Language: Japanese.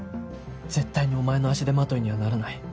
絶対にお前の足手まといにはならない。